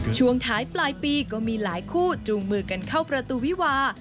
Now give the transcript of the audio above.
ช่วงท้ายปลายปีก็มีหลายคู่จูงมือกันเข้าประตูวิวา